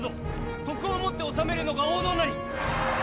徳をもって治めるのが王道なり！